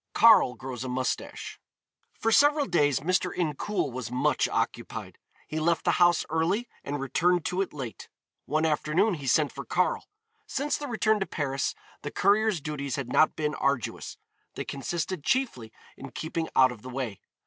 KARL GROWS A MOUSTACHE. For several days Mr. Incoul was much occupied. He left the house early and returned to it late. One afternoon he sent for Karl. Since the return to Paris the courier's duties had not been arduous; they consisted chiefly in keeping out of the way.